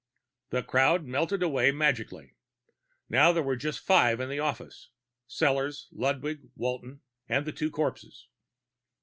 The crowd melted away magically. Now there were just five in the office Sellors, Ludwig, Walton, and the two corpses.